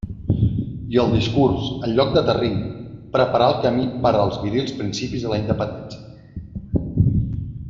I el discurs en lloc d'aterrir preparà el camí per als virils principis de la independència.